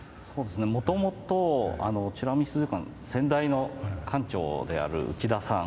もともと美ら海水族館の先代の館長である内田さん